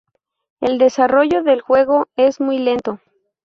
El desarrollo del juego es muy lento.